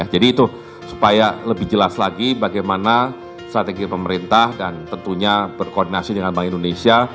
jadi itu supaya lebih jelas lagi bagaimana strategi pemerintah dan tentunya berkoordinasi dengan bank indonesia